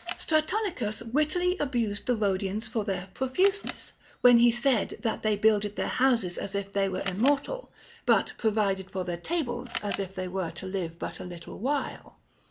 Stratonicus wittily abused the Rhodians for their profuseness, when he said that they builcled their houses as if they were immortal, but pro vided for their tables as if they were to live but a little while.